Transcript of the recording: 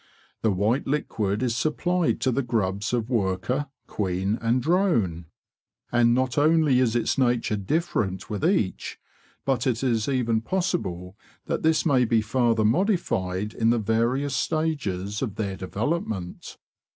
The white liquid is supplied to the grubs of worker, queen, and drone, and not only is its nature different with each, but it is even possible that this may be farther modified 204 THE BEE MASTER OF WARRILOW in the various stages of their development.